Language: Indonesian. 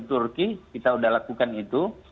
turki kita sudah lakukan itu